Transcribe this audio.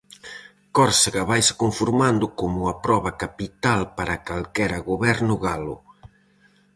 Córsega vaise conformando como a proba capital para calquera goberno galo.